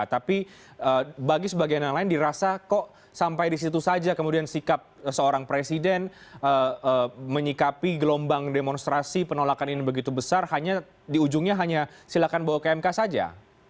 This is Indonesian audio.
tapi bagi sebagian yang lain dirasa kok sampai di situ saja kemudian sikap seorang presiden menyikapi gelombang demonstrasi penolakan ini begitu besar hanya di ujungnya hanya silakan bawa ke mk saja